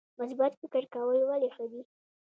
مثبت فکر کول ولې ښه دي؟